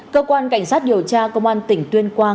cơ quan cảnh sát điều tra công an tỉnh tuyên quang